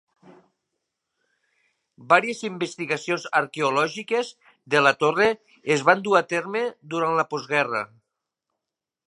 Vàries investigacions arqueològiques de la torre es van dur a terme durant la postguerra.